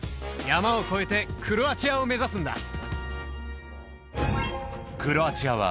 山を越えてクロアチアを目指すんだ。